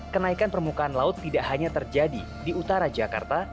kenaikan permukaan laut tidak hanya terjadi di utara jakarta